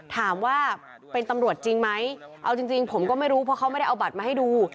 ถามว่าเป็นตำรวจจริงไหมเอาจริงผมก็ไม่รู้เพราะเขาไม่ได้เอาบัตรมาให้ดู